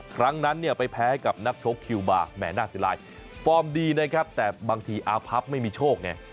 ครั้งนั้นเนี่ยไปแพ้กับนักชกคิวบาร์แหม่น่าเสียลายฟอร์มดีนะครับแต่บางทีอาพับไม่มีโชคไง